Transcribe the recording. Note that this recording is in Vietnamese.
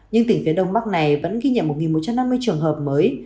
nhưng tỉnh phía đông bắc này vẫn ghi nhận một một trăm năm mươi trường hợp mới